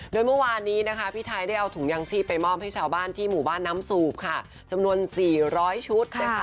โดยเมื่อวานนี้นะคะพี่ไทยได้เอาถุงยางชีพไปมอบให้ชาวบ้านที่หมู่บ้านน้ำสูบค่ะจำนวน๔๐๐ชุดนะคะ